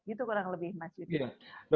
itu kurang lebih masjid